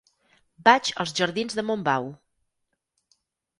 Vaig als jardins de Montbau.